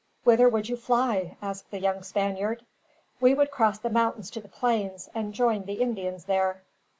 "Whither would you fly?" asked the young Spaniard. "We would cross the mountains to the plains, and join the Indians there."